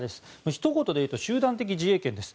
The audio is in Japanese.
ひと言で言うと集団的自衛権です。